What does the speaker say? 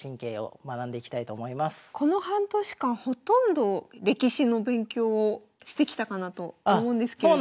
この半年間ほとんど歴史の勉強をしてきたかなと思うんですけれども。